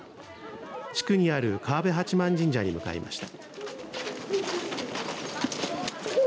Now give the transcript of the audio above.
地区にある川辺八幡神社に向かいました。